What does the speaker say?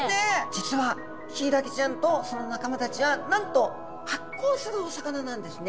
実はヒイラギちゃんとその仲間たちはなんと発光するお魚なんですね。